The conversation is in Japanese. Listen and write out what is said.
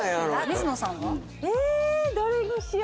水野さんは？